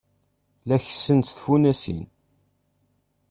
La kessent tfunasin.